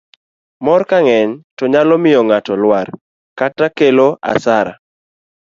mor kang'eny to nyalo miyo ng'ato lwar kata kelo asara